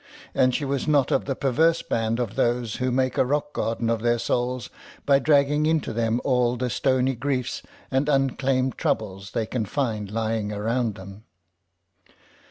And she was not of the perverse band of those who make a rock garden of their souls by dragging into them all the stoney griefs and unclaimed troubles they can find lying around them.